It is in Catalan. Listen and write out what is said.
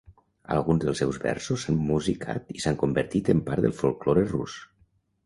Alguns dels seus versos s'han musicat i s'han convertit en part del folklore rus.